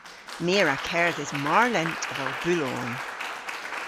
My a wra kerdhes mar lent avel bulhorn.